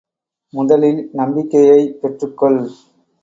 முதலில் நம்பிக்கையைப் பெற்றுக் கொள்!